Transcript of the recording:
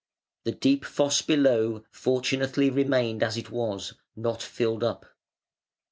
The deep fosse below fortunately remained as it was, not filled up.